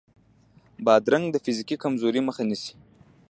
بادرنګ د فزیکي کمزورۍ مخه نیسي.